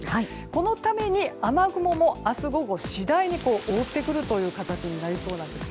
このために、雨雲も明日午後、次第に覆ってくるという形になりそうです。